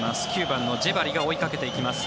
９番のジェバリが追いかけていきます。